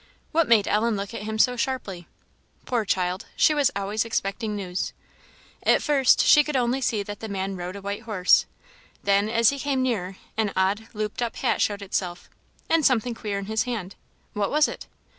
What made Ellen look at him so sharply? Poor child! she was always expecting news. At first she could only see that the man rode a white horse; then, as he came nearer, an odd looped up hat showed itself and something queer in his hand what was it?